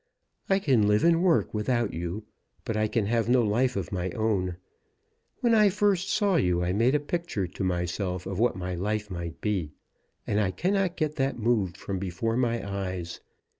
"I can live and work without you, but I can have no life of my own. When I first saw you I made a picture to myself of what my life might be, and I cannot get that moved from before my eyes.